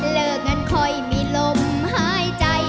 เลิกกันค่อยมีลมหายใจ